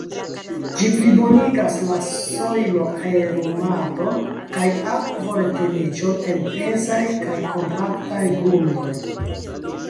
Ĝi plibonigas la sojlo-aerumadon kaj akvo-reteniĝon en pezaj kaj kompaktaj grundoj.